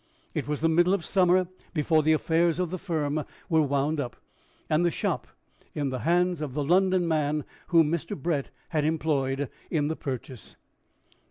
It was the middle of summer before the affairs of the firm were wound up, and the shop in the hands of the London man whom Mr. Brett had employed in the purchase.